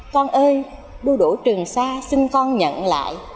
con ơi đu đủ trường sa xin con nhận lại